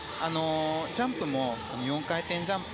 ジャンプも４回転ジャンプ